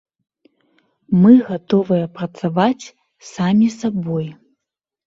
Мы гатовыя працаваць самі сабой.